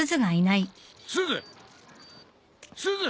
すず！